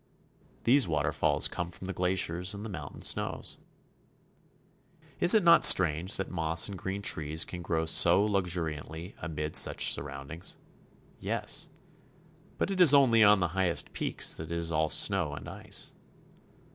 These waterfalls come from the glaciers and the moun tain snows. Is it not strange that moss and green trees can grow so luxuriantly amid such surroundings? Yes; but it is only on the highest peaks that it is all snow and ice.